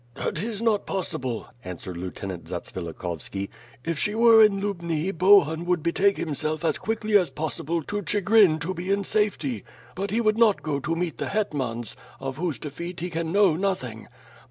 "That is not possible," answered Lieutenant Zatsvilikhov ski. "If she were in Lubni, Bohun would betake himself as quickly as possible to Chigrin to be in safety; but he would not go to meet the hetmans, of whose defeat he can know nothing; but.